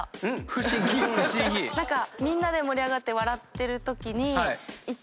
何かみんなで盛り上がって笑ってるときに。